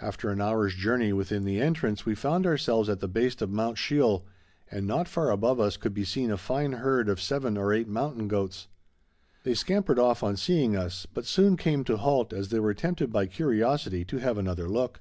After an hour's journey within the entrance we found ourselves at the base of Mount Sheol, and not far above us could be seen a fine herd of seven or eight mountain goats. They scampered off on seeing us, but soon came to halt as they were tempted by curiosity to have another look.